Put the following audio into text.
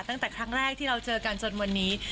ตั้งแต่ครั้งแรกที่เราเจอกันจนวันนี้